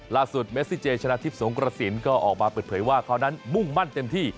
เมซิเจชนะทิพย์สงกระสินก็ออกมาเปิดเผยว่าเขานั้นมุ่งมั่นเต็มที่